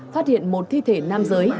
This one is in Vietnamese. phát hiện một thi thể nam giới